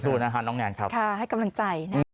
ดูนะคะน้องแนนครับค่ะให้กำลังใจนะคะ